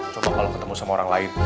coba kalau ketemu sama orang lain